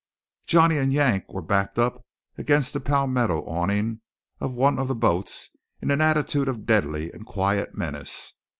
Johnny and Yank were backed up against the palmetto awning of one of the boats in an attitude of deadly and quiet menace.